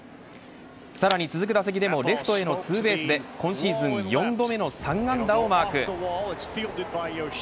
さらに続く打席でもレフトへのツーベースで今シーズン４度目の３安打をマーク。